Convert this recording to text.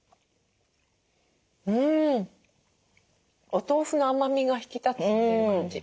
お豆腐の甘みが引き立つって感じ。